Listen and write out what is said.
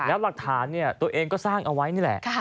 แล้วหลักฐานตัวเองก็สร้างเอาไว้นี่แหละ